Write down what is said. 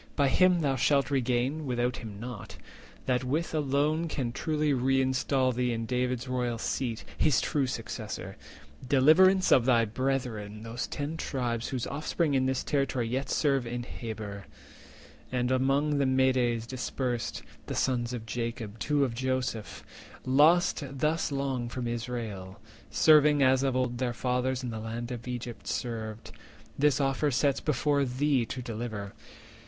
370 By him thou shalt regain, without him not, That which alone can truly reinstall thee In David's royal seat, his true successor— Deliverance of thy brethren, those Ten Tribes Whose offspring in his territory yet serve In Habor, and among the Medes dispersed: The sons of Jacob, two of Joseph, lost Thus long from Israel, serving, as of old Their fathers in the land of Egypt served, This offer sets before thee to deliver.